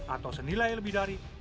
atau senilai lebih dari